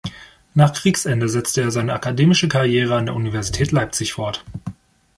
Nach Kriegsende setzte er seine akademische Karriere an der Universität Leipzig fort.